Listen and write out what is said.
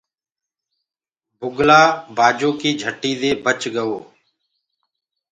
بُگلو بآجو ڪي جھٽي دي بچ گوتو۔